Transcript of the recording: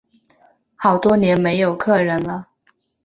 好多年没有客人了